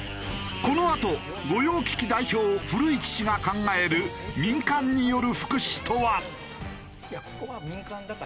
このあと御用聞き代表古市氏が考える民間による福祉とは？